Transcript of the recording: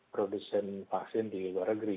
produsen vaksin di luar negeri